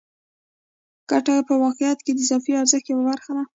ګته په واقعیت کې د اضافي ارزښت یوه برخه ده